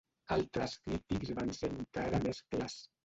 Altres crítics van ser encara més clars.